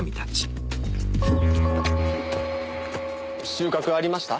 収穫ありました？